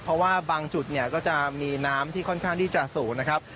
เพราะว่าบางจุดเนี่ยก็จะมีน้ำที่ค่อนข้างที่จะสูงนะครับ